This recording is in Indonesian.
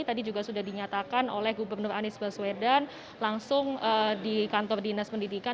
tadi juga sudah dinyatakan oleh gubernur anies baswedan langsung di kantor dinas pendidikan